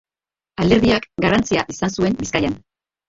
Alderdiak garrantzia izan zuen Bizkaian.